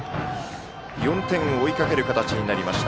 ４点を追いかける形になりました